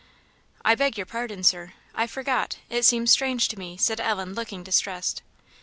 "I beg your pardon, Sir; I forgot: it seems strange to me," said Ellen, looking distressed.